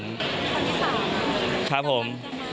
ครั้งที่๓ครับครับผม